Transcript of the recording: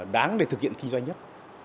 đáng để thực hiện kinh doanh nhất